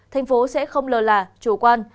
tp hcm sẽ không lờ là chủ quan